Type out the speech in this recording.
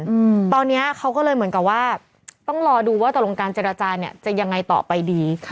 เหมือนกันตอนนี้เขาก็เลยเหมือนกันว่าต้องรอดูว่าตลงการเจรจาเนี่ยจะยังไงต่อไปดี